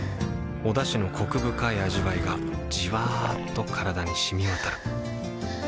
おだしのコク深い味わいがじわっと体に染み渡るはぁ。